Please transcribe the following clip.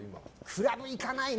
クラブは行かないね。